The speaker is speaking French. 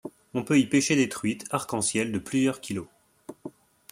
On peut y pêcher des truites arc-en-ciel de plusieurs kilos.